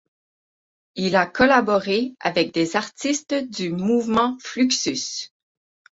Il a collaboré avec des artistes du mouvement Fluxus.